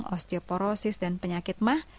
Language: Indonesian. osteoporosis dan penyakit mah